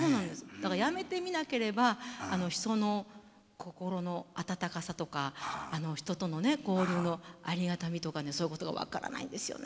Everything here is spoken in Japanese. だからやめてみなければ人の心の温かさとか人とのね交流のありがたみとかねそういうことが分からないんですよね。